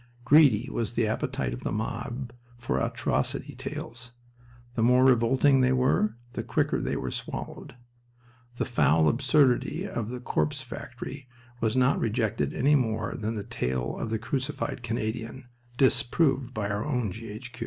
Greedy was the appetite of the mob for atrocity tales. The more revolting they were the quicker they were swallowed. The foul absurdity of the "corpse factory" was not rejected any more than the tale of the "crucified Canadian" (disproved by our own G.